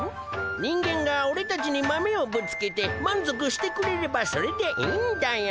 人間がおれたちに豆をぶつけて満足してくれればそれでいいんだよ。